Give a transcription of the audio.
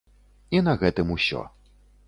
І на гэтым усё.